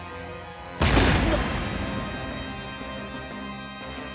うわっ！